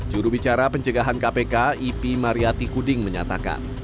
jurubicara pencegahan kpk ipi mariati kuding menyatakan